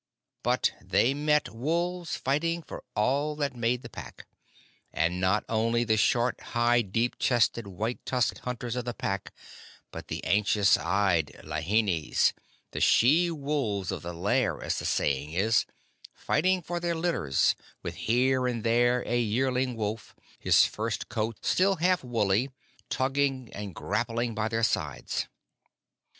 But they met wolves fighting for all that made the Pack, and not only the short, high, deep chested, white tusked hunters of the Pack, but the anxious eyed lahinis the she wolves of the lair, as the saying is fighting for their litters, with here and there a yearling wolf, his first coat still half woolly, tugging and grappling by their sides.